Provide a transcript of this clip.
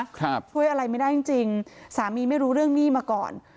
ช่วยอะไรไม่ได้จริงจริงสามีไม่รู้เรื่องหนี้มาก่อน